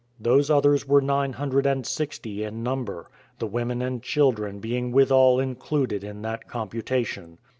Those others were nine hundred and sixty in number, the women and children being withal included in that computation.